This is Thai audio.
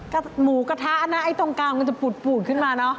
ถ้าหมูกระทะนะไอ้ตรงกลางมันจะปูดขึ้นมาเนอะ